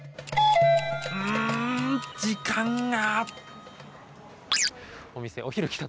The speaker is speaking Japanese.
ん時間が。